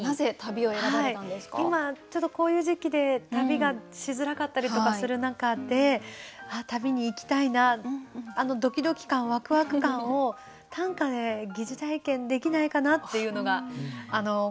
今ちょっとこういう時期で旅がしづらかったりとかする中で旅に行きたいなあのドキドキ感ワクワク感を短歌で疑似体験できないかなっていうのがこれを考え始めたきっかけだったんですけれど